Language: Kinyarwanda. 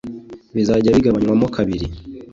Bizajya bigabanywamo kabiri